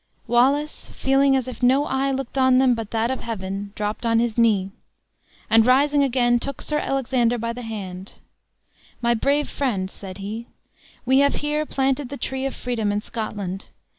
Wallace, feeling as if no eye looked on them but that of Heaven, dropped on his knee; and rising again, took Sir Alexander by the hand; "My brave friend," said he, "we have here planted the tree of freedom in Scotland.